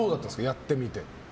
やってみて。